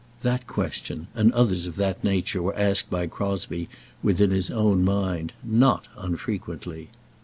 That question and others of that nature were asked by Crosbie within his own mind, not unfrequently.